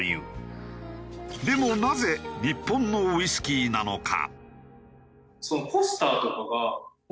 でもなぜ日本のウイスキーなのか？